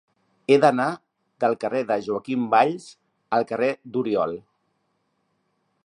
He d'anar del carrer de Joaquim Valls al carrer d'Oriol.